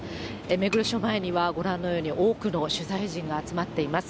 目黒署前にはご覧のように多くの取材陣が集まっています。